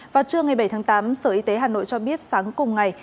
vào trưa ngày bảy tháng tám sở y tế hà nội cho biết sáng cùng ngày